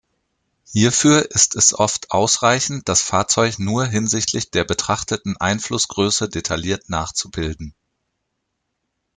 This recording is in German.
Hierfür ist es oft ausreichend, das Fahrzeug nur hinsichtlich der betrachteten Einflussgröße detailliert nachzubilden.